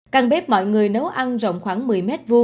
căn bếp mọi người nấu ăn rộng khoảng một mươi m hai